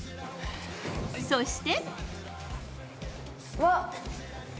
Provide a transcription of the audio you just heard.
そして。